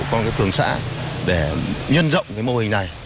trong các phường xã để nhân rộng mô hình này